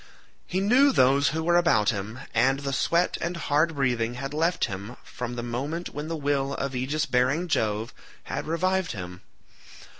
He knew those who were about him, and the sweat and hard breathing had left him from the moment when the will of aegis bearing Jove had revived him.